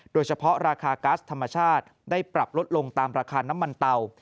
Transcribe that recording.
โดยเฉพาะราคาก๊าซธรรมชาติได้ปรับลดลงตามราคาน้ำมันเตา